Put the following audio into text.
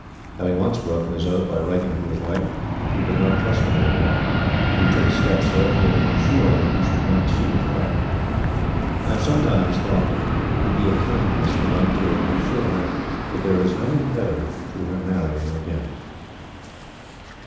Having once broken his oath by writing to his wife, we could not trust him any more. We took steps therefore to insure that he should not see his wife. I have sometimes thought that it would be a kindness to write to her and to assure her that there is no impediment to her marrying again."